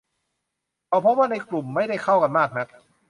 เขาพบว่าในกลุ่มไม่ได้เข้ากันมากนัก